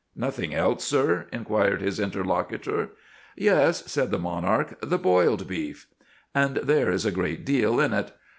"Nothing else, sir?" inquired his interlocutor. "Yes," said the monarch; "the boiled beef." And there is a great deal in it.